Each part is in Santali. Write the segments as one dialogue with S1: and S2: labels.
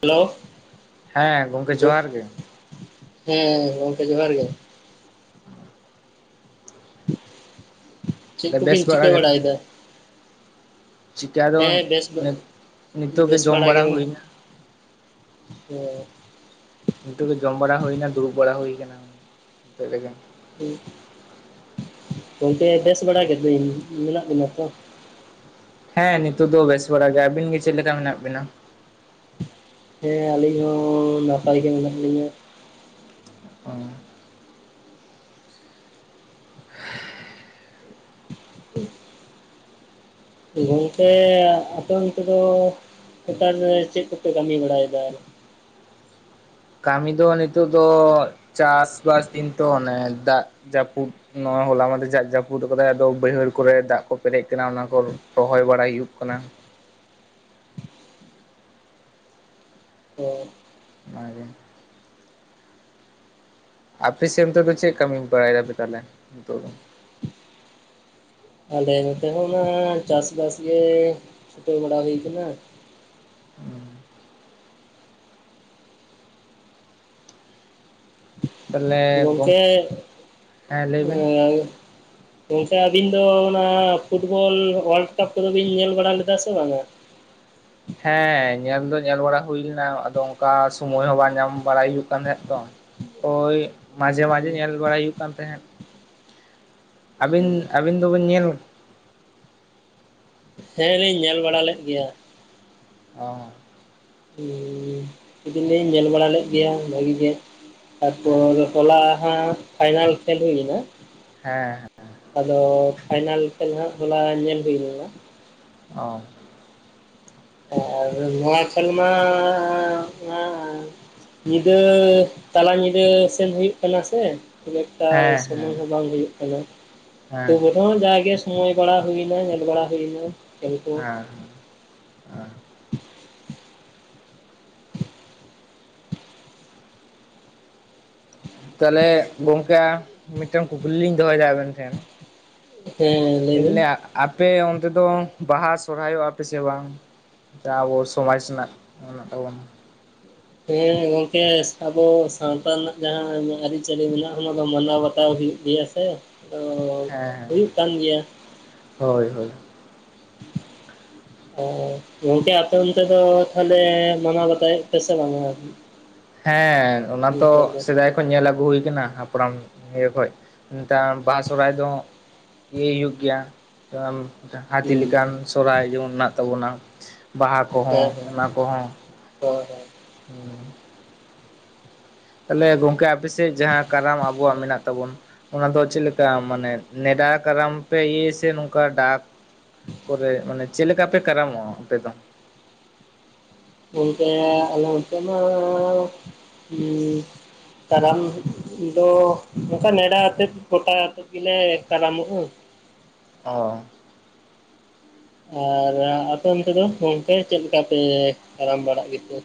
S1: ᱦᱮᱞᱳ
S2: ᱦᱮᱸ ᱜᱚᱝᱠᱮ ᱡᱚᱦᱟᱨ ᱜᱮ
S1: ᱦᱮᱸ ᱜᱚᱢᱠᱮ ᱡᱚᱦᱟᱨ ᱜᱮ ᱾ ᱪᱮᱫ
S2: ᱵᱮᱥ
S1: ᱠᱚᱵᱤᱱ
S2: ᱵᱟᱲᱟ
S1: ᱪᱤᱠᱟᱹ
S2: ᱜᱮ
S1: ᱵᱟᱲᱟᱭᱮᱫᱟ?
S2: ᱪᱤᱠᱟ ᱫᱚ
S1: ᱦᱮᱸ ᱵᱮᱥ ᱜᱮ
S2: ᱱᱤᱛ ᱱᱤᱛᱚᱜ
S1: ᱵᱮᱥ
S2: ᱡᱚᱢ
S1: ᱵᱟᱲᱟᱭ
S2: ᱵᱟᱲᱟ
S1: ᱜᱮ ᱢᱟ ᱾
S2: ᱦᱩᱭᱱᱟ
S1: ᱦᱮᱸ
S2: ᱱᱤᱛᱚᱜ ᱜᱮ ᱡᱚᱢ ᱵᱟᱲᱟ ᱦᱩᱭᱮᱱᱟ ᱫᱩᱲᱩᱵ ᱵᱟᱲᱟ ᱦᱩᱭ ᱟᱠᱟᱱᱟ ᱱᱚᱛᱮ ᱨᱮᱜᱮ ᱾
S1: ᱜᱚᱢᱠᱮ ᱵᱮᱥ ᱵᱟᱲᱟ ᱞᱟᱹᱭ ᱮᱫᱟᱹᱧ ᱢᱮᱱᱟᱜ ᱵᱤᱱᱟ ᱛᱚ?
S2: ᱦᱮᱸ ᱱᱤᱛᱚᱜ ᱫᱚ ᱵᱮᱥ ᱵᱟᱲᱟ ᱜᱮ ᱟᱹᱵᱤᱱ ᱜᱮ ᱾ ᱟᱵᱤᱱ ᱜᱮ ᱪᱮᱫ ᱞᱮᱠᱟ ᱢᱮᱱᱟᱜ ᱵᱤᱱᱟ?
S1: ᱦᱮᱸ ᱟᱹᱞᱤᱧ ᱦᱚᱸ ᱱᱟᱯᱟᱭ ᱜᱮ ᱢᱮᱱᱟᱜ ᱞᱤᱧᱟ ᱾
S2: ᱚ
S1: ᱦᱮ [inaudible] ᱜᱚᱝᱠᱮ ᱟᱯᱮ ᱚᱱᱛᱮᱫᱚ ᱱᱮᱛᱟᱨ ᱨᱮ ᱪᱮᱫ ᱠᱚᱯᱮ ᱠᱟᱹᱢᱤ ᱵᱟᱲᱟᱭᱮᱫᱟ?
S2: ᱠᱟᱹᱢᱤ ᱫᱚ ᱱᱤᱛᱚᱜ ᱫᱚ ᱪᱟᱥᱵᱟᱥ ᱫᱤᱱ ᱛᱚ ᱚᱱᱮ ᱫᱟᱜ ᱡᱟᱹᱯᱩᱫᱼᱼ ᱱᱚᱣᱟ ᱦᱚᱞᱟ ᱢᱟᱫᱮᱨ ᱡᱟ ᱡᱟᱹᱯᱩᱫ ᱟᱠᱟᱫᱟᱭ ᱟᱫᱚ ᱵᱟᱹᱭᱦᱟᱹᱲ ᱠᱚᱨᱮ ᱫᱟᱜ ᱠᱚ ᱯᱮᱨᱮᱡ ᱟᱠᱟᱱᱟ ᱚᱱᱟ ᱠᱚᱼᱼ ᱨᱚᱦᱚᱭ ᱵᱟᱲᱟᱭ ᱦᱩᱭᱩᱜ ᱠᱟᱱᱟ ᱾
S1: ᱦᱩᱸ
S2: ᱚᱱᱟ ᱜᱮᱼᱼ ᱟᱯᱮ ᱥᱮᱱ ᱫᱚ ᱪᱮᱫ ᱠᱟᱹᱢᱤ ᱵᱟᱲᱟᱭ ᱫᱟᱯᱮ ᱛᱟᱦᱚᱞᱮ ᱱᱤᱛᱳ ᱫᱚ?
S1: ᱟᱞᱮ ᱱᱚᱛᱮ ᱦᱚᱸ ᱢᱟ ᱪᱟᱥᱵᱟᱥ ᱜᱮ ᱪᱷᱩᱴᱟᱹᱣ ᱵᱟᱲᱟ ᱦᱩᱭᱩ ᱠᱟᱱᱟ ᱾
S2: ᱛᱟᱦᱚᱞᱮ ᱜᱚᱝ
S1: ᱜᱚᱢᱠᱮ
S2: ᱦᱮᱸ ᱞᱟᱹᱭ
S1: ᱮ
S2: ᱵᱤᱱ
S1: ᱜᱚᱝᱠᱮ ᱟᱹᱵᱤᱱ ᱫᱚ ᱚᱱᱟ ᱯᱷᱩᱴᱵᱚᱞ ᱳᱭᱟᱞᱰ ᱠᱟᱯ ᱠᱚᱫᱚ ᱵᱤᱱ ᱧᱮᱞ ᱵᱟᱲᱟ ᱞᱮᱫᱟ ᱥᱮ ᱵᱟᱝᱟ?
S2: ᱦᱮᱸ ᱧᱮᱞ ᱫᱚ ᱧᱮᱞ ᱵᱟᱲᱟ ᱦᱩᱭ ᱞᱮᱱᱟ ᱟᱫᱚ ᱚᱝᱠᱟ ᱥᱩᱢᱳᱭ ᱦᱚᱸ ᱵᱟᱝ ᱧᱟᱢ ᱵᱟᱲᱟᱭ ᱦᱩᱭᱩᱜ ᱠᱟᱱ ᱛᱟᱦᱮᱸᱜ ᱛᱚ᱾ ᱳᱭ ᱢᱟᱡᱷᱮ ᱢᱟᱡᱷᱮ ᱧᱮᱞ ᱵᱟᱲᱟᱭ ᱦᱩᱭᱩᱜ ᱠᱟᱱ ᱛᱟᱦᱮᱸᱜ᱾ ᱟᱹᱵᱤᱱ ᱟᱹᱵᱤᱱ ᱫᱚᱵᱤᱱ ᱧᱮᱞ
S1: ᱦᱮᱸ ᱞᱤᱧ ᱧᱮᱞ ᱵᱟᱲᱟ ᱞᱮᱫ ᱜᱮᱭᱟ᱾
S2: ᱚ
S1: ᱦᱩᱸ ᱠᱩᱫᱚᱞᱤᱧ ᱧᱮᱞ ᱵᱟᱲᱟ ᱞᱮᱫ ᱜᱮᱭᱟ ᱵᱷᱟᱹᱜᱤ ᱜᱮ
S2: ᱦᱮᱸ
S1: ᱛᱟᱨᱯᱚᱨ ᱦᱚᱞᱟ ᱦᱟᱸᱜ ᱯᱷᱟᱭᱱᱟᱞ ᱠᱷᱮᱞ ᱦᱩᱭ ᱞᱮᱱᱟ᱾
S2: ᱦᱮᱸ
S1: ᱟᱫᱚ ᱯᱷᱟᱭᱱᱟᱞ ᱠᱷᱮᱞ ᱦᱟᱸᱜ ᱦᱚᱞᱟ ᱧᱮᱞ ᱦᱩᱭ ᱞᱮᱱᱟ᱾
S2: ᱚ
S1: ᱟᱨ ᱱᱚᱣᱟ ᱠᱷᱮᱞ ᱢᱟ ᱧᱤᱫᱟᱹ ᱛᱟᱞᱟ ᱧᱤᱫᱟᱹ ᱥᱮᱱ ᱦᱩᱭᱩᱜ ᱠᱟᱱᱟ ᱥᱮ ᱾ ᱠᱷᱩᱵ ᱮᱠᱴᱟ
S2: ᱦᱮᱸ
S1: ᱥᱚᱢᱚᱭ
S2: ᱦᱮᱸ
S1: ᱦᱚᱸ ᱵᱟᱝ ᱦᱩᱭᱩᱜ ᱠᱟᱱᱟ᱾
S2: ᱦᱮᱸ
S1: [unintelligible] ᱦᱚᱸ ᱡᱟᱜᱮ ᱥᱚᱢᱚᱭ ᱵᱟᱲᱟ ᱦᱩᱭᱱᱟ ᱧᱮᱞ ᱵᱟᱲᱟ ᱦᱩᱭᱱᱟ᱾ ᱠᱷᱮᱞ ᱠᱚ
S2: ᱦᱮᱸ ᱦᱮᱸ
S1: [inaudible]
S2: ᱛᱟᱦᱞᱮ ᱜᱚᱝᱠᱮ ᱢᱤᱫᱴᱮᱱ ᱠᱩᱠᱞᱤ ᱞᱤᱧ ᱫᱚᱦᱚᱭᱫᱟ ᱟᱵᱮᱱ ᱴᱷᱮᱱ᱾
S1: ᱦᱮᱸ
S2: ᱞᱟᱹᱭ ᱫᱟᱞᱮ ᱟᱯᱮ ᱚᱱᱛᱮ ᱫᱚ ᱵᱟᱦᱟ ᱥᱚᱨᱦᱟᱭᱚᱜᱼᱟ ᱯᱮ ᱥᱮ ᱵᱟᱝ? ᱟᱵᱚ ᱥᱚᱢᱟᱡᱽ ᱥᱮᱱᱟᱜ ᱢᱮᱱᱟᱜ ᱛᱟᱵᱚᱱ᱾
S1: ᱦᱮᱸ ᱜᱚᱝᱠᱮ ᱟᱵᱚ ᱥᱟᱶᱛᱟ ᱨᱮᱱᱟᱜ ᱡᱟᱦᱟᱸ ᱟᱹᱨᱤᱪᱟᱹᱞᱤ ᱢᱮᱱᱟᱜᱼᱟ ᱚᱱᱟ ᱫᱚ ᱢᱟᱱᱟᱣ ᱵᱟᱛᱟᱣ ᱦᱩᱭᱩᱜ ᱜᱮᱭᱟ ᱥᱮ ᱟᱫᱚ
S2: ᱦᱮᱸ ᱦᱮᱸ
S1: ᱦᱩᱭᱩᱜ ᱠᱟᱱ ᱜᱮᱭᱟ ᱾
S2: ᱦᱳᱭ ᱦᱳᱭ
S1: [inaudible] ᱜᱚᱝᱠᱮ ᱟᱯᱮ ᱚᱱᱛᱮ ᱫᱚ ᱛᱟᱦᱞᱮ ᱢᱟᱱᱟᱣ ᱵᱟᱛᱟᱣᱮᱜ ᱯᱮ ᱥᱮ ᱵᱟᱝᱟ? [unintelligible]
S2: ᱦᱮᱸ ᱚᱱᱟ ᱛᱚ
S1: ᱱᱤᱛᱚᱜ ᱫᱚ
S2: ᱥᱮᱫᱟᱭ ᱠᱷᱚᱡ ᱧᱮᱞ ᱟᱹᱜᱩ ᱦᱩᱭᱠᱟᱱᱟ ᱦᱟᱯᱲᱟᱢ ᱤᱭᱟᱹ ᱠᱷᱚᱡ ᱱᱮᱛᱟᱨ ᱵᱟᱦᱟ ᱥᱚᱨᱦᱟᱭ ᱫᱚ ᱤᱭᱟᱹ ᱦᱩᱭᱩᱜ ᱜᱮᱭᱟ᱾ [unintelligible] ᱦᱟᱹᱛᱤ
S1: ᱦᱩᱸ
S2: ᱞᱮᱠᱟᱱ ᱥᱚᱨᱦᱟᱭ ᱡᱮᱢᱚᱱ ᱢᱮᱱᱟᱜ ᱛᱟᱵᱚᱱᱟ, ᱵᱟᱦᱟ ᱠᱚᱦᱚᱸ ᱚᱱᱟ ᱠᱚᱦᱚᱸ
S1: ᱦᱚᱭ ᱦᱚᱭ
S2: ᱦᱩᱸ ᱛᱟᱦᱞᱮ ᱜᱚᱝᱠᱮ ᱟᱯᱮ ᱥᱮᱜ ᱡᱟᱦᱟᱸ ᱠᱟᱨᱟᱢ ᱟᱵᱚᱣᱟᱜ ᱢᱮᱱᱟᱜ ᱛᱟᱵᱚᱱ ᱚᱱᱟ ᱫᱚ ᱪᱮᱜ ᱞᱮᱠᱟ ᱢᱟᱱᱮ ᱱᱮᱰᱟ ᱠᱟᱨᱟᱢ ᱯᱮ ᱤᱭᱟᱹᱭᱟ ᱥᱮ ᱱᱚᱝᱠᱟ ᱰᱟᱠ ᱠᱚᱨᱮ ᱢᱟᱱᱮ ᱪᱮᱜ ᱞᱮᱠᱟ ᱯᱮ ᱠᱟᱨᱟᱢᱚᱜᱼᱟ ᱟᱯᱮ ᱫᱚ?
S1: ᱜᱚᱝᱠᱮ ᱟᱞᱮ ᱚᱱᱚᱛᱮ ᱢᱟ ᱩᱸ ᱠᱟᱨᱟᱢ ᱫᱚ ᱚᱝᱠᱟ ᱱᱮᱰᱟ ᱟᱛᱮᱫ ᱜᱚᱴᱟ ᱟᱛᱮᱫ ᱾ ᱜᱮᱞᱮ ᱠᱟᱨᱟᱢᱚᱜᱼᱟ᱾
S2: ᱚ
S1: ᱟᱨ ᱟᱯᱮ ᱚᱱᱛᱮ ᱫᱚ ᱜᱚᱝᱠᱮ ᱪᱮᱫ ᱞᱮᱠᱟ ᱯᱮ ᱠᱟᱨᱟᱢ ᱵᱟᱲᱟᱜ ᱜᱮᱛᱮ?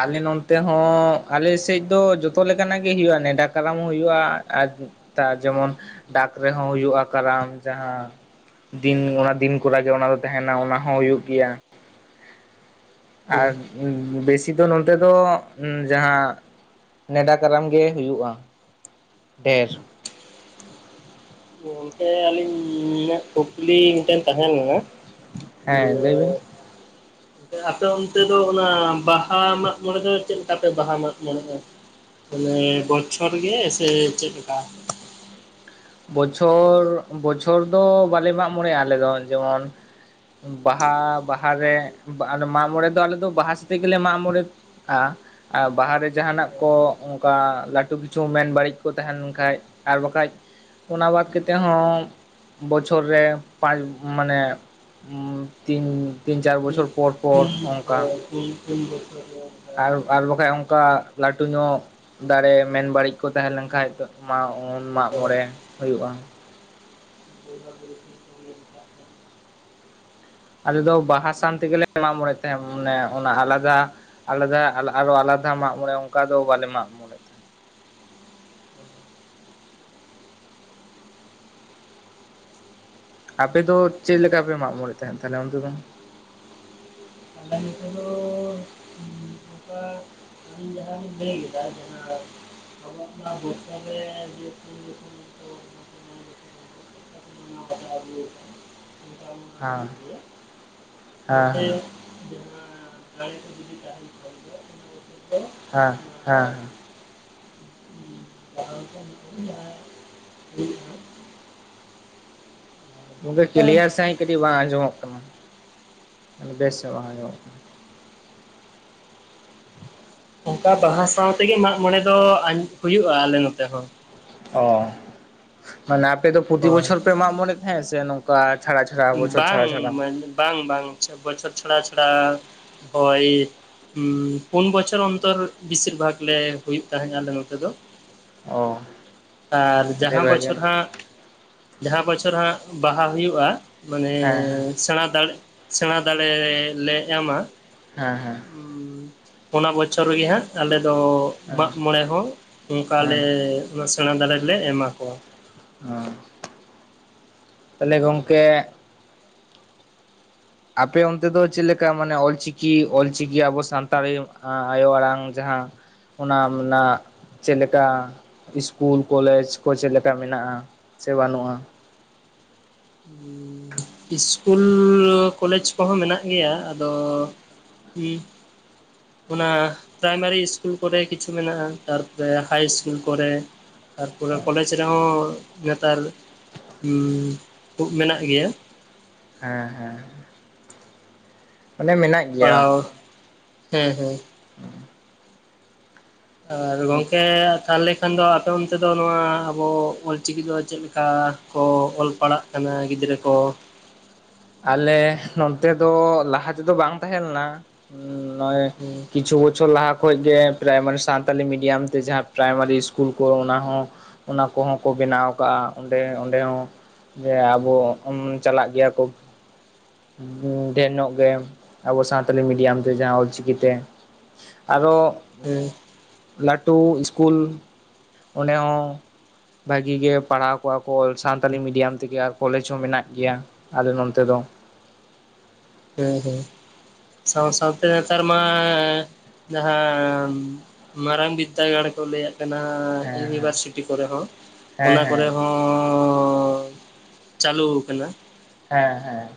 S2: ᱟᱞᱮ ᱱᱚᱱᱛᱮ ᱦᱚᱸ ᱟᱞᱮᱥᱮᱜ ᱫᱚ ᱡᱚᱛᱚ ᱞᱮᱠᱟᱱᱟᱜ ᱜᱮ ᱦᱩᱭᱩᱜᱼᱟ ᱱᱮᱸᱰᱟ ᱠᱟᱨᱟᱢ ᱦᱚᱸ ᱦᱩᱭᱩᱜᱼᱟ ᱟᱨ ᱛᱟ ᱡᱮᱢᱚᱱ ᱰᱟᱠ ᱨᱮᱦᱚᱸ ᱦᱩᱭᱩᱜᱼᱟ ᱠᱟᱨᱟᱢ ᱡᱟᱦᱟᱸ ᱫᱤᱱ ᱚᱱᱟ ᱫᱤᱱ ᱠᱚᱨᱟ ᱜᱮ ᱚᱱᱟ ᱫᱚ ᱛᱟᱦᱮᱱᱟ ᱚᱱᱟ ᱦᱚᱸ ᱦᱩᱭᱩᱜ ᱜᱮᱭᱟ ᱾ ᱟᱨ
S1: ᱦᱩᱸ
S2: ᱵᱮᱥᱤ ᱫᱚ ᱱᱚᱱᱛᱮ ᱫᱚ ᱡᱟᱦᱟᱸ ᱱᱮᱸᱰᱟ ᱠᱟᱨᱟᱢ ᱜᱮ ᱦᱩᱭᱩᱜᱼᱟ ᱰᱷᱮᱨ᱾
S1: [unintelligible] ᱚᱱᱛᱮ, ᱟᱹᱞᱤᱧᱟᱜ ᱠᱩᱠᱞᱤ ᱢᱤᱫᱴᱮᱱ ᱛᱟᱦᱮᱸ ᱞᱮᱱᱟ ᱾
S2: ᱦᱮᱸ ᱞᱟᱹᱭ ᱵᱤᱱ
S1: [unintelligible] ᱟᱯᱮ ᱚᱱᱛᱮ ᱫᱚ, ᱚᱱᱟ ᱵᱟᱦᱟ ᱢᱟᱜ ᱢᱚᱬᱮ ᱫᱚ ᱪᱮᱫ ᱞᱮᱠᱟ ᱯᱮ ᱵᱟᱦᱟ ᱢᱟᱜ ᱢᱚᱬᱮᱼᱟ? ᱢᱟᱱᱮ ᱵᱚᱪᱷᱚᱨ ᱜᱮ ᱥᱮ ᱪᱮᱫ ᱞᱮᱠᱟ?
S2: ᱵᱚᱪᱷᱚᱨ, ᱵᱚᱪᱷᱚᱨ ᱫᱚ ᱵᱟᱞᱮ ᱢᱟᱜ ᱢᱚᱬᱮᱜ-ᱟ ᱟᱞᱮ ᱫᱚ, ᱦᱮᱸᱥᱮ ᱟᱨᱼᱼ ᱵᱟᱦᱟ ᱵᱟᱦᱟ ᱨᱮ, ᱵᱟᱦᱟ ᱢᱟᱸᱜ ᱢᱚᱬᱮ ᱫᱚ ᱟᱞᱮ ᱫᱚ ᱵᱟᱦᱟ ᱥᱟᱛᱮ ᱜᱮᱞᱮ ᱢᱟᱸᱜ ᱢᱚᱬᱮᱼᱼ ᱟᱜ ᱟᱨ ᱵᱟᱦᱟ ᱨᱮ ᱡᱟᱦᱟᱸᱱᱟᱜ ᱠᱚ ᱚᱝᱠᱟ ᱞᱟᱴᱩ ᱠᱤᱪᱷᱩ ᱢᱮᱱ ᱵᱟᱲᱤᱡ ᱠᱚ ᱛᱟᱸᱦᱮ ᱞᱮᱱ ᱠᱷᱟᱡᱼᱼ ᱟᱨ ᱵᱟᱠᱷᱟᱡᱼᱼ ᱚᱱᱟ ᱵᱟᱫᱽ ᱠᱟᱛᱮ ᱦᱚᱸ, ᱵᱚᱪᱷᱚᱨ ᱨᱮ ᱯᱟᱸᱪ ᱢᱟᱱᱮᱼᱼ ᱛᱤᱱ, ᱛᱤᱱ ᱪᱟᱨ ᱵᱚᱪᱷᱚᱨ ᱯᱚᱨ ᱯᱚᱨ ᱚᱱᱠᱟ ᱾
S1: ᱡ ᱵᱠᱷᱚᱨ ᱠᱚ [unintelligible]
S2: ᱟᱨ ᱟᱨ ᱵᱟᱠᱷᱟᱡ ᱚᱱᱠᱟ, ᱞᱟᱹᱴᱩ ᱧᱚᱜᱼᱼ ᱫᱟᱲᱮ ᱢᱮᱱ ᱵᱟᱹᱲᱤᱡ ᱠᱚ ᱛᱟᱦᱮᱸ ᱞᱮᱱ ᱠᱷᱟᱡ ᱢᱟᱜ ᱢᱟᱸᱜ ᱢᱚᱬᱮ ᱦᱩᱭᱩᱜᱼᱟ ᱾
S1: ᱵᱟᱹᱭᱦ [unintelligible]
S2: ᱟᱞᱮ ᱫᱚ ᱵᱟᱦᱟ ᱥᱟᱶ ᱛᱮᱜᱮᱞᱮ ᱢᱟᱸᱜ ᱢᱚᱬᱮᱜ ᱛᱟᱦᱮᱸᱜ, ᱢᱟᱱᱮ ᱚᱱᱟ ᱟᱞᱟᱫᱟᱼᱼ ᱟᱞᱮᱫᱚ ᱟᱨᱚ ᱟᱞᱟᱫᱟ ᱢᱟᱸᱜ ᱢᱚᱬᱮ ᱚᱱᱠᱟ ᱫᱚ ᱵᱟᱞᱮ ᱢᱟᱸᱜ ᱢᱚᱬᱮᱼᱼ ᱚᱞᱮᱫ ᱛᱸᱟᱦᱮᱫ ᱾ ᱟᱯᱮ ᱫᱚ ᱪᱮᱫ ᱞᱮᱠᱟ ᱯᱮ ᱢᱟᱸᱜ ᱢᱚᱬᱮᱜ ᱛᱟᱦᱮᱸᱜ, ᱛᱟᱦᱞᱮ ᱚᱱᱛᱮ ᱫᱚ?
S1: ᱟᱞᱮ ᱱᱚᱛᱮ ᱫᱚᱼᱼ ᱟᱨ [unintelligible] ᱵᱮᱮᱜᱮᱫᱵ ᱵ [unintelligible] ᱪ [unintelligible]
S2: ᱦᱮᱸ, ᱦᱮᱸ ᱦᱮᱸ ᱾
S1: ᱡᱟᱸᱦᱟᱸ ᱫᱟᱬᱮ ᱠᱚ ᱡᱩᱫᱤ ᱛᱟᱦᱮᱸᱱ ᱠᱷᱟᱡ ᱫᱚ ᱚᱱᱟ ᱠᱚᱜᱮ ᱾
S2: ᱦᱮᱸ ᱦᱮᱸ ᱦᱮᱸ
S1: ᱯᱦᱟᱣ ᱠᱟᱛᱮ ᱦᱩᱭᱩᱜᱼᱟ [unintelligible]
S2: ᱜᱚᱝᱠᱮ ᱠᱤᱞᱭᱟᱨ ᱥᱟᱺᱦᱤᱡ ᱠᱟᱹᱴᱤᱡ ᱵᱟᱝ ᱟᱸᱡᱚᱢᱚᱜ ᱠᱟᱱᱟ, ᱵᱮᱥ ᱧᱚᱜ ᱵᱟᱝ ᱟᱸᱡᱚᱢᱚᱜ ᱠᱟᱱᱟ ᱾
S1: ᱚᱝᱠᱟ ᱵᱟᱦᱟ ᱥᱟᱶᱛᱮᱜᱮ ᱢᱟᱸᱜᱢᱚᱬᱮ ᱫᱚ ᱟ ᱦᱩᱭᱩᱜ ᱟᱞᱮ ᱱᱚᱛᱮ ᱦᱚᱸ ᱾
S2: ᱦᱚᱸ, ᱢᱟᱱᱮ ᱟᱯᱮ ᱫᱚ ᱯᱨᱚᱛᱤ
S1: ᱦᱳᱭ
S2: ᱵᱚᱪᱷᱚᱨ ᱯᱮ ᱢᱟᱸᱜ ᱢᱚᱬᱮ ᱛᱟᱦᱮᱸ ᱥᱮ ᱚᱱᱮᱼᱼ ᱠᱟ ᱪᱷᱟᱲᱟ ᱪᱷᱟᱲᱟ, ᱵᱚᱪᱷᱚᱨ
S1: ᱵᱟᱝ
S2: ᱪᱷᱟᱲᱟ ᱪᱷᱟᱲᱟ ᱾
S1: ᱵᱟᱝ ᱵᱟᱝ ᱾ ᱯᱚᱱ ᱵᱚᱪᱷᱚᱨ ᱪᱷᱲᱟ ᱪᱷᱲᱟ ᱳᱭᱼᱼ ᱯᱩᱱ ᱵᱚᱪᱷᱚᱨ ᱚᱱᱛᱚᱨ ᱵᱤᱥᱤᱨ ᱵᱷᱟᱜᱽ ᱞᱮ ᱦᱩᱭᱩᱜ ᱛᱟᱦᱮᱸᱜ ᱟᱞᱮ ᱱᱚᱛᱮ ᱫᱚ ᱾
S2: ᱚ
S1: ᱟᱨ
S2: ᱟᱹᱰᱤ
S1: ᱡᱟᱸᱦᱟᱸ
S2: ᱵᱷᱟᱜᱮ
S1: ᱵᱚᱪᱷᱚᱨ ᱦᱟᱸᱜᱼᱼ ᱡᱟᱸᱦᱟ ᱵᱚᱪᱷᱚᱨ ᱦᱟᱸᱜ ᱵᱟᱦᱟ ᱦᱩᱭᱩᱜᱼᱟ ᱢᱟᱱᱮ
S2: ᱦᱮᱸ
S1: ᱥᱮᱬᱟ ᱫᱟᱲᱮᱼᱼ ᱥᱮᱬᱟ ᱫᱟᱲᱮᱞᱮ ᱮᱢᱟ ᱾
S2: ᱦᱮᱸ ᱦᱮᱸ ᱾
S1: ᱪᱟᱞᱟᱣ ᱵᱚᱪᱷᱚᱨ ᱜᱮ ᱦᱟᱸᱜ ᱟᱞᱮ ᱫᱚᱼᱼ
S2: ᱦᱮᱸ
S1: ᱢᱟᱜᱽ ᱢᱚᱬᱮ ᱦᱚᱸ
S2: ᱦᱮᱸ
S1: ᱚᱱᱠᱟᱞᱮ ᱥᱮᱬᱟ ᱫᱟᱲᱮᱞᱮ ᱮᱢᱟ ᱠᱚᱣᱟ ᱾
S2: ᱦᱚᱸ ᱦᱮᱞᱳ ᱜᱚᱝᱠᱮ ᱾ ᱟᱯᱮ ᱚᱱᱛᱮ ᱫᱚ ᱪᱮᱫ ᱞᱮᱠᱟ ᱢᱟᱱᱮ ᱚᱞᱪᱤᱠᱤ ᱚᱞᱪᱤᱠᱤ ᱟᱵᱚ ᱥᱟᱱᱛᱟᱲᱤ ᱟᱭᱳ ᱟᱲᱟᱝ ᱡᱟᱸᱦᱟᱼᱼ ᱚᱱᱟ ᱢᱮᱱᱟᱜ ᱪᱮᱫ ᱞᱮᱠᱟᱼᱼ ᱤᱥᱠᱩᱞ ᱠᱚᱞᱮᱡ ᱠᱚ ᱪᱮᱫ ᱞᱮᱠᱟ ᱢᱮᱱᱟᱜᱼᱟ ᱥᱮ ᱵᱟᱹᱱᱩᱜᱼᱟ ᱾
S1: ᱦᱩᱸ ᱤᱥᱠᱩᱞ ᱠᱚᱞᱮᱡᱽ ᱠᱚᱦᱚᱸ ᱢᱮᱱᱟᱜ ᱜᱮᱭᱟ ᱟᱫᱚ ᱦᱤ ᱚᱱᱟ ᱯᱨᱟᱭᱢᱟᱨᱤ ᱤᱥᱠᱩᱞ ᱠᱚᱨᱮ ᱠᱤᱪᱷᱩ ᱢᱮᱱᱟᱜᱼᱟ ᱛᱟᱨᱯᱚᱨᱮ ᱦᱟᱭ ᱤᱥᱠᱩᱞ ᱠᱚᱨᱮ ᱛᱟᱨᱯᱚᱨᱮ ᱠᱚᱞᱮᱡ ᱨᱮᱦᱚᱸ ᱱᱮᱛᱟᱨ ᱠᱷᱩᱵ ᱢᱮᱱᱟᱜ ᱜᱮᱭᱟ᱾
S2: ᱦᱮᱸ ᱦᱮᱸ ᱯᱟᱞᱮ ᱢᱟᱱᱜ
S1: ᱯᱟᱲᱦᱟᱣ ᱦᱮᱸ ᱦᱮᱸ
S2: [inaudible]
S1: ᱟᱨ ᱜᱚᱝᱠᱮ ᱛᱟᱦᱞᱮ ᱠᱷᱟᱱ ᱫᱚ ᱟᱯᱮ ᱚᱱᱛᱮ ᱫᱚ ᱱᱚᱣᱟ ᱟᱵᱚ ᱚᱞ ᱪᱤᱠᱤ ᱫᱚ ᱪᱮᱫ ᱞᱮᱠᱟ ᱠᱚ ᱚᱞ ᱯᱟᱲᱦᱟᱜ ᱠᱟᱱᱟ ᱪᱟᱱᱟ ᱜᱤᱫᱽᱨ ᱠᱚ
S2: ᱟᱞᱮ ᱱᱚᱱᱚᱛᱮ ᱫᱚ ᱞᱟᱦᱟ ᱛᱮᱫᱚ ᱵᱟᱝ ᱛᱟᱦᱮᱸ ᱞᱮᱱᱟ᱾ ᱦ ᱱᱚᱼᱚᱭ
S1: ᱦᱮᱸ
S2: ᱠᱤᱪᱩ ᱵᱪᱷᱚᱨ ᱞᱟᱦᱟ ᱠᱷ ᱜᱮ ᱯᱨᱟᱭᱢᱟᱨᱤ ᱥᱟᱱᱛᱟᱞᱤ ᱢᱤᱰᱤᱭᱟᱢ ᱛᱮ ᱡᱟᱦᱟᱸ ᱯᱨᱟᱭᱢᱟᱨᱤ ᱥᱠᱩᱞ ᱠᱚ ᱚᱱᱟ ᱦᱚᱸ ᱚᱱᱟ ᱠᱚᱦᱚᱸ ᱠᱚ ᱵᱮᱱᱟᱣ ᱟᱠᱟᱟᱜᱼᱟ ᱚᱸᱰᱮ ᱚᱸᱰᱮ ᱦᱚᱸ ᱡᱮ ᱟᱵᱚ ᱪᱟᱞᱟᱜ ᱜᱮᱭᱟ ᱠᱚ᱾ ᱰᱷᱮᱨ ᱧᱚᱜ ᱜᱮ ᱟᱵᱚ ᱥᱟᱱᱛᱟᱞᱤ ᱢᱤᱰᱤᱭᱟᱢ ᱛᱮ ᱡᱟᱦᱟᱸ ᱚᱞᱪᱤᱠᱤᱛᱮ ᱟᱨᱚ
S1: ᱦᱮᱸ
S2: ᱞᱟᱹᱴᱩ ᱥᱠᱩᱞ ᱚᱰᱮ ᱦᱚᱸ ᱵᱷᱟᱜᱤ ᱜᱮ ᱯᱟᱲᱦᱟᱣ ᱠᱚᱜᱣᱟ ᱠᱚᱞ ᱥᱟᱱᱛᱟᱞᱤ ᱢᱤᱰᱤᱭᱟᱢ ᱛᱮᱜᱮ ᱟᱨ ᱠᱚᱞᱮᱡᱽ ᱦᱚᱸ ᱢᱮᱱᱟᱜ ᱜᱮᱭᱟ᱾ ᱟᱞᱮ ᱱᱚᱱᱛᱮ ᱫᱚ
S1: ᱦᱮᱸ ᱦᱮᱸ ᱥᱟᱶ ᱥᱟᱶᱛᱮ ᱱᱮᱛᱟᱨ ᱢᱟ ᱡᱟᱦᱟᱸ ᱢᱟᱨᱟᱝ ᱵᱤᱫᱽᱫᱟᱹᱜᱟᱲ ᱠᱚ ᱞᱟᱹᱭᱟᱜᱼᱟ᱾ ᱠᱟᱱᱟ
S2: ᱦᱮᱸ ᱦᱮᱸ
S1: ᱤᱭᱩᱱᱤᱵᱷᱟᱨᱥᱤᱴᱤ ᱠᱚᱨᱮ ᱦᱚᱸ
S2: ᱦᱮᱸ
S1: ᱚᱱᱟ
S2: ᱦᱮᱸ
S1: ᱠᱚᱨᱮ ᱦᱚᱸ ᱦᱚᱸ ᱪᱟᱹᱞᱩ ᱟᱠᱟᱱᱟ᱾
S2: ᱦᱮᱸ ᱦᱮᱸ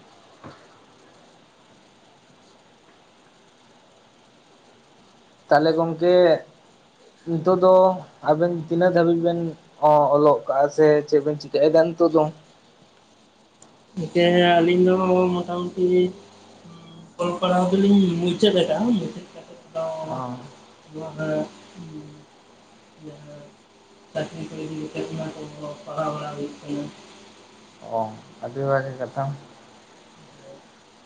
S2: ᱛᱟᱦᱚᱞᱮ ᱜᱚᱝᱠᱮ ᱱᱤᱛᱚᱜ ᱫᱚ ᱟᱵᱮᱱ ᱛᱤᱱᱟᱹᱜ ᱫᱷᱟᱹᱵᱤᱡ ᱵᱮᱱ ᱚ ᱚᱞᱚᱜᱠᱟ ᱥᱮ ᱪᱮᱫᱵ ᱪᱤᱠᱟᱹᱭ ᱫᱟ ᱱᱤᱛᱳᱜ ᱫᱚ ᱾
S1: ᱠᱮ ᱟᱹᱞᱤᱧ ᱫᱚ ᱢᱚᱴᱟᱢᱩᱴᱤ ᱚᱞᱯᱟᱲᱦᱟᱣ ᱫᱚᱞᱤᱧ ᱢᱩᱪᱟᱹᱫ ᱟᱠᱟᱜᱼᱟ᱾ ᱢᱩᱪᱟᱹᱫ ᱠᱟᱛᱮᱜ ᱫᱚ
S2: ᱚ
S1: ᱱᱚᱣᱟ ᱡᱟᱦᱟᱸ ᱪᱟᱹᱠᱨᱤ ᱠᱚ ᱤᱫᱤ ᱠᱟᱛᱮ ᱚᱱᱟ ᱠᱚᱦᱚᱸ ᱯᱟᱲᱦᱟᱣ ᱵᱟᱲᱟ ᱦᱩᱭᱩᱜ ᱠᱟᱱᱟ᱾
S2: ᱚ ᱟᱹᱰᱤ ᱵᱷᱟᱹᱜᱮ ᱠᱟᱛᱷᱟ᱾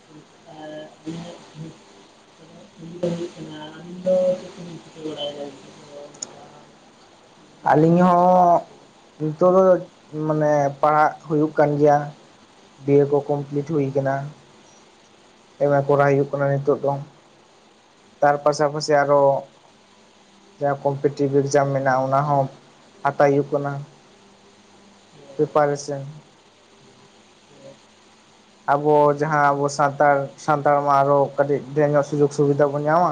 S1: ᱟᱢᱫᱚ [unintelligible] ᱵᱟᱲᱟᱭ [unintelligible]
S2: ᱟᱹᱞᱤᱧ ᱦᱚᱸ ᱱᱤᱛᱚᱜ ᱫᱚ ᱢᱟᱱᱮ ᱯᱟᱲᱦᱟᱜ ᱦᱩᱭᱩᱜ ᱠᱟᱱ ᱜᱮᱭᱟ᱾ ᱵᱤ ᱮ ᱠᱚ ᱠᱚᱢᱯᱞᱤᱴ ᱦᱩᱭ ᱠᱟᱱᱟᱱᱟ᱾ ᱮᱢ ᱠᱚᱨᱟᱣ ᱦᱩᱭᱩᱜ ᱠᱟᱱᱟ ᱱᱤᱛᱚᱜ ᱫᱚ ᱛᱟᱨ ᱯᱟᱥᱟ ᱯᱟᱥᱮ ᱟᱨᱚ ᱡᱟᱦᱟᱸ ᱠᱚᱢᱯᱤᱴᱤᱵᱤᱵᱷ ᱮᱠᱡᱟᱢ ᱢᱮᱱᱟᱜᱼᱟ ᱚᱱᱟ ᱦᱚᱸ ᱦᱟᱛᱟᱣ ᱦᱩᱭᱩᱜ ᱠᱟᱱᱟ᱾ ᱵᱮᱯᱟᱨᱮ ᱥᱮ
S1: [inaudible]
S2: ᱟᱵᱚ ᱡᱟᱦᱟᱸ ᱟᱵᱚ ᱥᱟᱱᱛᱟᱲ ᱥᱟᱱᱛᱟᱲ ᱢᱟ ᱟᱨᱚ ᱠᱟᱹᱴᱤᱡ ᱰᱷᱮᱨ ᱧᱚᱜ ᱥᱩᱡᱳᱜᱽ ᱥᱩᱵᱤᱫᱷᱟ ᱵᱚᱱ ᱧᱟᱢᱟ᱾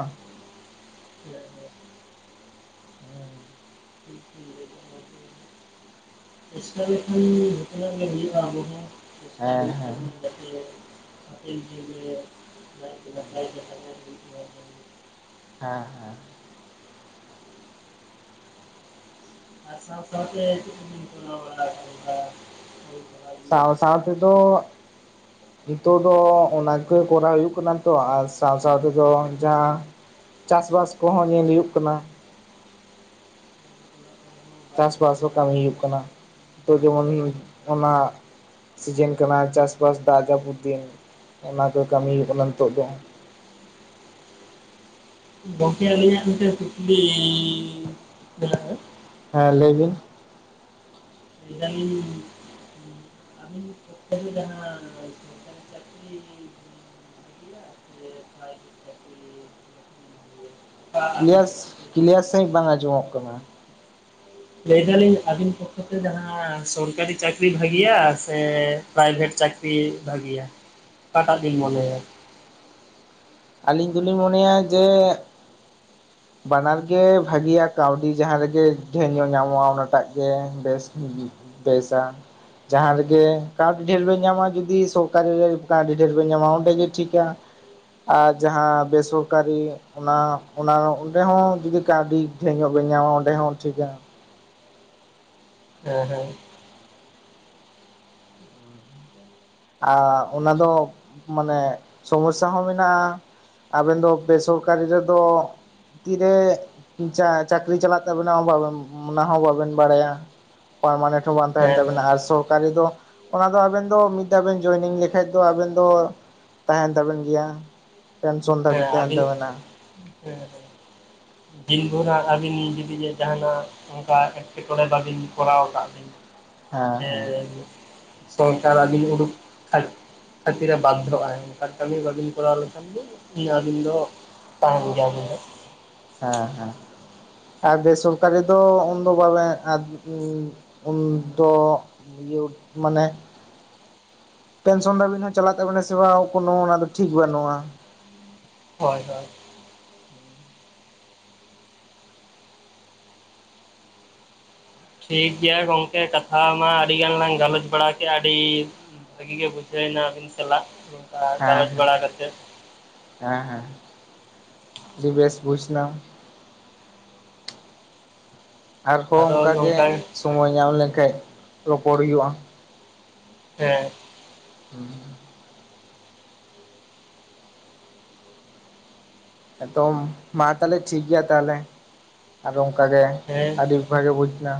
S1: ᱪᱮᱥᱟ ᱞᱮᱠᱷᱟᱱ ᱡᱷᱚᱛᱚᱱᱟ ᱜᱮ ᱦᱩᱭᱩᱜᱼᱟ ᱟᱵᱚ ᱦᱚᱸ ᱪᱮᱥᱠᱟ
S2: ᱦᱮᱸ
S1: ᱦᱩᱭᱩᱜ
S2: ᱦᱮᱸ
S1: ᱛᱟᱵᱚᱱᱟ᱾ ᱡᱤᱵ ᱡᱤᱭᱟᱹᱞᱤ ᱟᱜ ᱱᱟᱭ ᱛᱮ ᱱᱟᱯᱟᱭ ᱛᱮ ᱛᱟᱦᱮᱱ ᱦᱩᱭᱩᱜ ᱢᱟ ᱡᱮᱢᱚᱱ᱾
S2: ᱦᱟᱸ ᱦᱮᱸ
S1: ᱟᱨ ᱥᱟᱶ ᱥᱟᱶᱛᱮ ᱪᱮᱫ ᱠᱚᱵᱤᱱ [inaudible] ᱵᱟᱲᱟ ᱤᱫᱤ
S2: ᱥᱟᱶ
S1: ᱠᱟᱛᱮᱫ
S2: ᱥᱟᱶᱛᱮ ᱫᱚᱼᱼ ᱱᱤᱛᱚᱜ ᱫᱚ ᱚᱱᱟ ᱜᱮ ᱠᱚᱨᱟᱣ ᱦᱩᱭᱩᱜ ᱠᱟᱱᱟ ᱛᱚ ᱟᱨ ᱥᱟᱶ ᱥᱟᱶ ᱛᱮᱫᱚ ᱡᱟᱸᱦᱟ᱾ ᱪᱟᱥ ᱵᱟᱥ ᱠᱚᱦᱚᱸ ᱧᱮᱞ ᱦᱩᱭᱩᱜ ᱠᱟᱱᱟ᱾
S1: ᱵᱟᱝ ᱪᱤᱠᱟᱹ
S2: ᱪᱟᱥᱵᱟᱥ ᱦᱚᱸ
S1: ᱵᱟᱲᱟ
S2: ᱠᱟᱹᱢᱤ ᱦ ᱦᱩᱭᱩᱜ
S1: ᱞᱮᱱᱠᱷᱟᱱ
S2: ᱠᱟᱱᱟ ᱛᱚ ᱡᱮᱢᱚᱱ ᱚᱱᱟ᱾ ᱥᱤᱡᱮᱱ ᱠᱟᱱᱟ ᱪᱟᱥᱵᱟᱥ ᱫᱟᱜ ᱡᱟᱹᱯᱩᱫ ᱫᱤᱱ ᱚᱱᱟ ᱠᱚ ᱠᱟᱹᱢᱤ ᱦᱩᱭᱩᱜ ᱠᱟᱱᱟ ᱱᱤᱛᱚᱜ ᱫᱚ᱾
S1: ᱜᱚᱢᱠᱮ ᱟᱹᱞᱤᱧᱟᱜ ᱢᱤᱫᱴ ᱠᱩᱠᱞᱤ [inaudible]
S2: ᱦᱮᱸ ᱞᱟᱹᱭ ᱵᱤᱱ᱾
S1: ᱢᱮᱱ ᱫᱟᱱᱤᱧ᱾ ᱟᱵᱤᱱ [unintelligible] ᱡᱟᱦᱟ ᱚᱱᱠᱟᱱ ᱪᱟᱠᱨᱤ [unintelligible]
S2: ᱠᱮᱞᱤᱭᱟᱥ ᱠᱞᱮᱭᱟᱨ
S1: ᱡᱟᱹᱥᱛᱤ
S2: ᱥᱟᱹᱦᱤᱡ ᱵᱟᱝ ᱟᱸᱡᱚᱢᱚᱜ ᱠᱟᱱᱟ᱾
S1: ᱞᱟᱹᱭ ᱮᱫᱟᱞᱤᱧ ᱟᱹᱵᱤᱱ ᱯᱚᱠᱠᱷᱚ ᱛᱮ ᱡᱟᱦᱟᱸ ᱥᱚᱨᱠᱟᱨᱤ ᱪᱟᱹᱠᱨᱤ ᱵᱷᱟᱜᱤᱭᱟ ᱥᱮᱼᱼ ᱯᱨᱟᱭᱵᱷᱮᱴ ᱪᱟᱹᱠᱨᱤ ᱵᱷᱟᱜᱤᱭᱟ ᱚᱠᱟᱴᱟᱜ ᱵᱤᱱ ᱢᱚᱱᱮᱭᱟ᱾
S2: ᱟᱹᱞᱤᱧ ᱫᱚᱞᱤᱧ ᱢᱚᱱᱮᱭᱟ ᱡᱮᱼᱼ
S1: [unintelligible]
S2: ᱵᱟᱱᱟᱨ ᱜᱮ ᱵᱷᱟᱜᱤᱭᱟ ᱠᱟᱹᱣᱰᱤ ᱡᱟᱦᱟᱸ ᱨᱮᱜᱮ ᱰᱷᱮᱨ ᱧᱚᱜ ᱧᱟᱢᱚᱜᱼᱟ ᱚᱱᱟᱴᱟᱜ ᱜᱮ ᱵᱮᱥ ᱯᱟᱹᱭᱥᱟ ᱡᱟᱸᱦᱟ ᱨᱮᱜᱮ ᱠᱟᱹᱣᱰᱤ ᱰᱷᱮᱨ ᱵᱮᱱ ᱧᱟᱢᱟ ᱡᱩᱫᱤ ᱥᱚᱨᱠᱟᱨᱤ ᱨᱮ ᱠᱟᱹᱣᱰᱤ ᱰᱷᱮᱨ ᱵᱮᱱ ᱧᱟᱢᱟ ᱚᱸᱰᱮ ᱜᱮ ᱴᱷᱤᱠᱟ᱾ ᱟᱨ ᱡᱟᱦᱟᱸ ᱵᱮᱥᱚᱨᱠᱟᱨᱤ᱾ ᱚᱱᱟ ᱚᱱᱟ ᱚᱸᱰᱮ ᱦᱚᱸ ᱡᱩᱫᱤ ᱠᱟᱹᱣᱰᱤ ᱰᱷᱮᱨ ᱧᱚᱜ ᱵᱮᱱ ᱧᱟᱢᱟ ᱚᱸᱰᱮ ᱦᱚᱸ ᱴᱷᱤᱠᱟ᱾
S1: ᱦᱮᱸ ᱦᱮᱸ
S2: [unintelligible] ᱟᱨ ᱚᱱᱟ ᱫᱚ ᱢᱟᱱᱮ ᱥᱚᱢᱚᱥᱟ ᱦᱚᱸ ᱢᱮᱱᱟᱜᱼᱟ᱾ ᱟᱵᱮᱱ ᱫᱚ ᱵᱮᱥᱚᱨᱠᱟᱨᱤ ᱨᱮᱫᱚ᱾ ᱛᱤᱨᱮ ᱪᱟ ᱪᱟᱹᱠᱨᱤ ᱪᱟᱞᱟᱜ ᱛᱟᱵᱮᱱᱟ ᱚᱱᱟ ᱦᱚᱸ ᱵᱟᱵᱮᱱ ᱵᱟᱲᱟᱭᱟ᱾ ᱯᱟᱨᱢᱟᱱᱮᱱᱴ ᱦᱚᱸ ᱵᱟᱝ ᱛᱟᱦᱮᱱ
S1: ᱦᱮᱸ ᱦᱮᱸ ᱦᱮᱸ
S2: ᱛᱟᱵᱮᱱᱟ ᱟᱨ ᱥᱚᱨᱠᱟᱨᱤ ᱫᱚ ᱚᱱᱟ ᱫᱚ ᱟᱵᱮᱱ ᱫᱚ᱾ ᱢᱤᱫ ᱫᱷᱟᱣ ᱵᱮᱱ ᱡᱚᱭᱮᱱᱤᱝ ᱞᱮᱠᱟᱱᱡ ᱫᱚ ᱟᱵᱮᱱ ᱫᱚ ᱛᱟᱦᱮᱱ ᱛᱟᱵᱮᱱ ᱜᱮᱭᱟ᱾ ᱯᱮᱱᱥᱚᱱ
S1: ᱦᱮᱸ
S2: ᱫᱷᱟᱹᱵᱤᱡ ᱛᱟᱦᱮᱱ
S1: ᱟᱹᱵᱤᱱ
S2: ᱛᱟᱵᱮᱱᱟ᱾
S1: ᱦᱮᱸ ᱦᱮᱸ ᱫᱤᱱ ᱵᱷᱳᱨ ᱟᱹᱵᱤᱱ ᱡᱩᱫᱤ ᱡᱟᱦᱟᱱᱟᱜ᱾ ᱚᱱᱠᱟ ᱮᱸᱴᱠᱮᱴᱚᱬᱮ ᱵᱟᱹᱵᱤᱱ ᱠᱚᱨᱟᱣ ᱠᱟᱜ ᱵᱤᱱ
S2: ᱦᱮᱸ
S1: ᱡᱮ᱾
S2: ᱦᱮᱸ
S1: ᱥᱚᱨᱠᱟᱨ ᱟᱵᱤᱱ ᱩᱰᱩᱠ ᱠᱷᱟᱞᱤ᱾ ᱠᱷᱟᱹᱛᱤ ᱨᱮ ᱵᱟᱫᱷᱚᱜ ᱟᱭ ᱚᱱᱠᱟᱱ ᱠᱟᱹᱢᱤ ᱵᱟᱹᱵᱤᱱ ᱠᱚᱨᱟᱣ ᱞᱮᱠᱷᱟᱱ ᱫᱚ ᱟᱹᱵᱤᱱ ᱫᱚ᱾ ᱛᱟᱦᱮᱱ ᱜᱮᱭᱟᱵᱤᱱ ᱦᱟᱸᱜ᱾
S2: ᱦᱮᱸ ᱦᱮᱸ ᱟᱨ ᱵᱮᱥᱚᱨᱠᱟᱨᱤ ᱫᱚ ᱩᱱᱫᱚ ᱵᱟᱵᱮᱱ ᱮ ᱩᱱᱫᱚ᱾ ᱤᱭᱟᱹ ᱢᱟᱱᱮ ᱯᱮᱱᱥᱚᱱ ᱫᱷᱟᱹᱵᱤᱡ ᱦᱚᱸ ᱪᱟᱞᱟᱜ ᱛᱟᱵᱤᱱᱟ ᱥᱮ ᱵᱟᱝ ᱠᱟᱱᱳ ᱚᱱᱟ ᱫᱚ ᱴᱷᱤᱠ ᱵᱟᱹᱱᱩᱜᱼᱟ᱾
S1: ᱦᱚᱳᱭ ᱦᱚᱳᱭ ᱴᱷᱤᱠᱜᱮᱭᱟ ᱜᱚᱝᱠᱮ ᱠᱟᱛᱷᱟ ᱢᱟ ᱟᱹᱰᱤ ᱜᱟᱱ ᱞᱟᱝ ᱜᱟᱞᱚᱪ ᱵᱟᱲᱟ ᱠᱮ ᱟᱹᱰᱤ᱾ ᱵᱷᱟᱹᱜᱤ ᱜᱮ ᱵᱩᱡᱷᱟᱹᱭᱱᱟ ᱟᱹᱵᱤᱱᱚᱞᱟᱜ ᱚᱱᱠᱟ
S2: ᱦᱮᱸ
S1: ᱜᱟᱞᱚᱪ
S2: ᱦᱮᱸ
S1: ᱵᱟᱲᱟ ᱠᱟᱛᱮ᱾
S2: ᱦᱮᱸ ᱦᱮᱸ ᱟᱹᱰᱤ ᱵᱮᱥ ᱵᱩᱡᱱᱟ᱾
S1: [unintelligible]
S2: ᱟᱨᱦᱚᱸ ᱚᱱᱠᱟ ᱜᱮ
S1: ᱱᱚᱝᱠᱟ
S2: ᱥᱳᱢᱚᱭ ᱧᱟᱢ ᱞᱮᱱᱠᱟᱱ ᱨᱚᱯᱚᱲ ᱦᱩᱭᱩᱜᱼᱟ᱾
S1: ᱦᱮᱸ
S2: [inaudible] ᱮᱛᱚᱢ ᱢᱟ ᱛᱟᱦᱞᱮ ᱴᱷᱤᱠ ᱜᱮᱭᱟ ᱛᱟᱦᱚᱞᱮ ᱟᱨ ᱚᱝᱠᱟ ᱜᱮ
S1: ᱦᱮᱸ
S2: ᱟᱹᱰᱤ ᱵᱷᱟᱜᱮ ᱵᱩᱡᱽ ᱱᱟ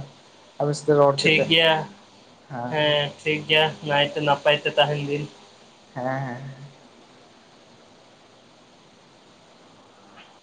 S2: ᱟᱵᱤᱱ ᱥᱟᱛᱮᱜ ᱨᱚᱲ
S1: ᱴᱷᱤᱠ
S2: ᱠᱟᱛᱮ
S1: ᱜᱮᱭᱟ
S2: ᱦᱮᱸ
S1: ᱴᱷᱤᱠ ᱜᱮᱭᱟ ᱱᱟᱭᱛᱮ ᱱᱟᱯᱟᱭᱛᱮ ᱛᱟᱦᱮᱱ ᱵᱤᱱ
S2: ᱦᱮᱸ ᱦᱮᱸ